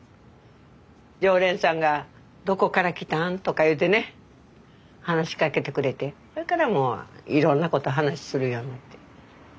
常連さんが「どこから来たん？」とか言うてね話しかけてくれてそれからもういろんなこと話するようになって。